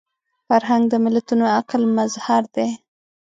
فرهنګ د ملتونو عقل مظهر دی